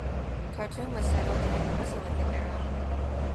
Khartoum was settled during the Mesolithic era.